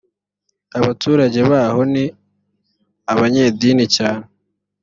abaturage baho ni abanyedini cyane